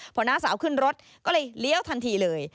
พอน้าสาวขึ้นรถก็เลยเลี้ยวทันทีเลย